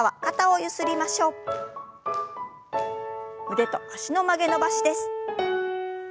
腕と脚の曲げ伸ばしです。